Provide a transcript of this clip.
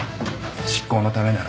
執行のためならね。